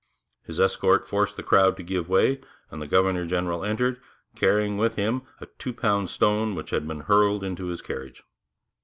His escort forced the crowd to give way, and the governor general entered, carrying with him a two pound stone which had been hurled into his carriage.